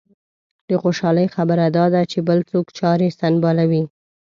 د خوشالۍ خبره دا ده چې بل څوک چارې سنبالوي.